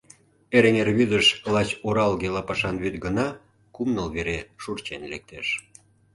Эреҥер вӱдыш лач оралге лапашан вӱд гына кум-ныл вере шурчен лектеш.